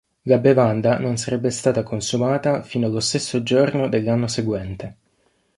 La bevanda non sarebbe stata consumata fino allo stesso giorno dell'anno seguente.